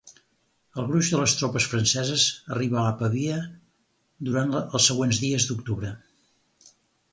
El gruix de les tropes franceses arribà a Pavia durant els següents dies d'octubre.